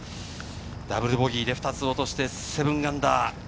ダブルボギーで２つ落として、−７。